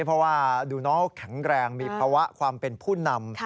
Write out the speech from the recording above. เพราะว่าดูน้องเขาแข็งแรงมีภาวะความเป็นผู้นำ